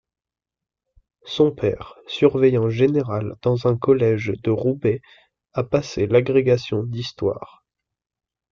Son père, surveillant général dans un collège de Roubaix, a passé l'agrégation d'histoire.